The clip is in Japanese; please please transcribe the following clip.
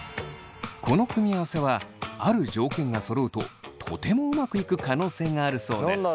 この組み合わせはある条件がそろうととてもうまくいく可能性があるそうです。